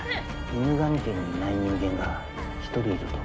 犬神家にいない人間が一人いると。